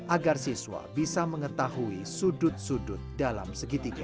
agar siswa bisa mengetahui sudut sudut dalam segitiga